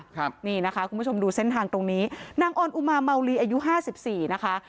คุณผู้ชมดูเส้นทางตรงนี้นางออนอุมามาวลีอายุ๕๔นะคะ